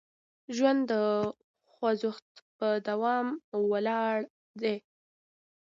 ژوند د خوځښت په دوام ولاړ دی.